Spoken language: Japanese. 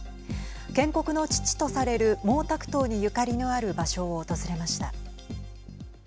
建国の父とされる毛沢東にゆかりのある場所を訪れました。